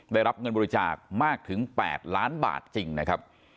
ได้รับเงินบริจาคมากถึง๘ล้านบาทจริงนะครับ